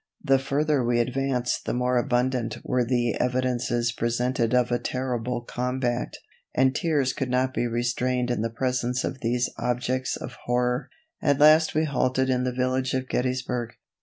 The further we advanced the more abundant were the evidences presented of a terrible combat, and tears could not be restrained in the presence of these objects of horror. At last we halted in the village of Gettysburg.